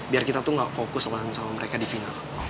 biar kita tuh ga fokus sama mereka di final